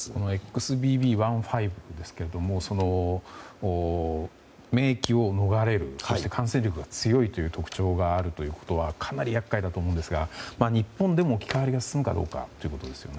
ＸＢＢ．１．５ですけども免疫を逃れる、そして感染力が強いという特徴があるということはかなり厄介だと思いますが日本でも置き換わりが進むかですよね。